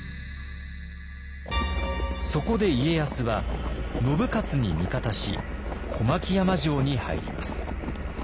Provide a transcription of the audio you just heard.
そこで家康は信雄に味方し小牧山城に入ります。